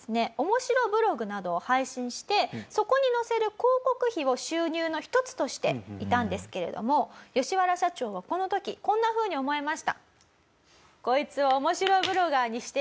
面白ブログなどを配信してそこに載せる広告費を収入の一つとしていたんですけれどもヨシワラ社長はこの時こんなふうに思いました。